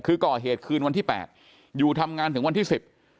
คือก่อเหตุคืนวันที่แปดอยู่ทำงานถึงวันที่สิบ